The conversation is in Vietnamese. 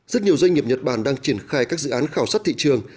rất nhiều doanh nghiệp nhật bản đang triển khai các dự án khảo sát thị trường